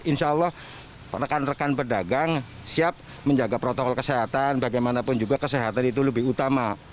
insya allah rekan rekan pedagang siap menjaga protokol kesehatan bagaimanapun juga kesehatan itu lebih utama